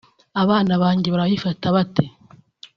abana banjye barabifata bate